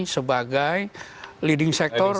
sebagai leading sector